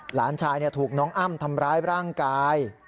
หลานชายถูกน้องอ้ำทำร้ายร่างกาย